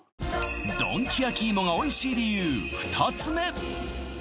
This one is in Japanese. ドンキ焼き芋がおいしい理由２つ目！